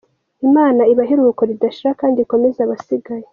Imana ibahe iruhuko ridashira kd ikomeze abasigaye.